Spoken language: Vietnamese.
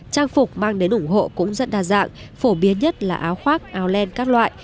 trang phục mang đến ủng hộ cũng rất đa dạng phổ biến nhất là áo khoác áo len các loại